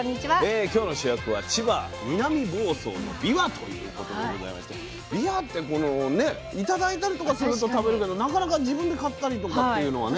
今日の主役は千葉・南房総のびわということでございましてびわって頂いたりとかすると食べるけどなかなか自分で買ったりとかっていうのはね。